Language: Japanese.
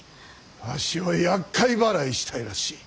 わしをやっかい払いしたいらしい。